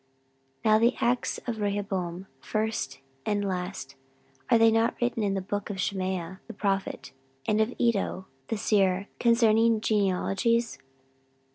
14:012:015 Now the acts of Rehoboam, first and last, are they not written in the book of Shemaiah the prophet, and of Iddo the seer concerning genealogies?